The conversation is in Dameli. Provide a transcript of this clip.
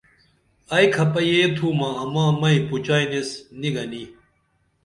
ائی کھپہ یہ تُھومہ اماں مئی پُوچائنیس نی گنی